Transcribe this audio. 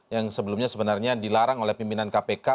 yang sebelumnya sebenarnya dilarang oleh pimpinan kpk